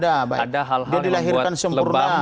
ada hal hal yang membuat lebam